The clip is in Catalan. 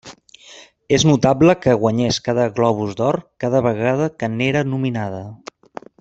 És notable que guanyés cada Globus d'Or cada vegada que n'era nominada.